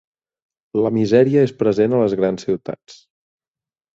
La misèria és present a les grans ciutats.